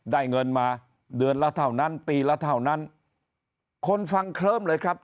ได้เงินมาเดือนละเท่านั้นปีละเท่านั้นคนฟังเคลิ้มเลยครับ